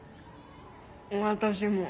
私も。